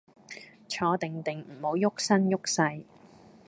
坐定定，唔好郁身郁勢